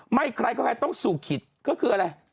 ใครก็ใครต้องสู่ขิตก็คืออะไร